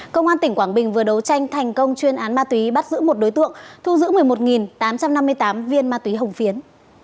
công an tỉnh quảng bình vừa đấu tranh thành công chuyên án ma túy bắt giữ một đối tượng thu giữ một mươi một tám trăm năm mươi tám viên ma túy hồng phiến